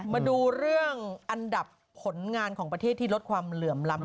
มาดูเรื่องอันดับผลงานของประเทศที่ลดความเหลื่อมล้ำ